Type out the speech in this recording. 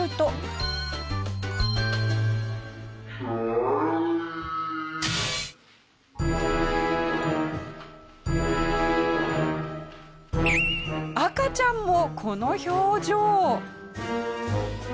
これを赤ちゃんもこの表情。